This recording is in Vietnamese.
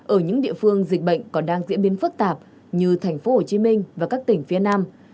ở những địa phương dịch bệnh còn đang diễn biến phức tạp như thành phố hồ chí minh và các tỉnh phía nam